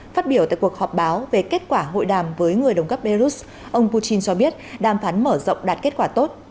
phát biểu tại cuộc họp báo về kết quả hội đàm với người đồng cấp belarus ông putin cho biết đàm phán mở rộng đạt kết quả tốt